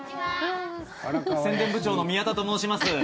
宣伝部長の宮田と申します。